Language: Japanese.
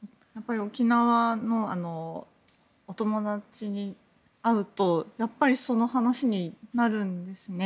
沖縄のお友達に会うとやっぱりその話になるんですね。